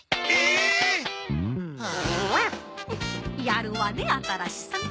やるわね新さん。